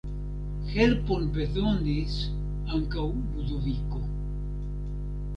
Helpon bezonis ankaŭ Ludoviko.